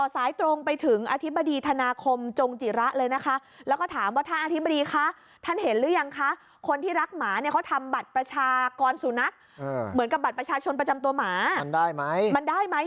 กรรศุนักเหมือนกับบัตรประชาชนประจำตัวหมามันได้ไหมมันได้ไหม